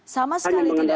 sama sekali tidak ada